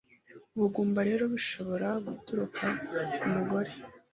Ubugumba rero bushobora guturuka ku mugore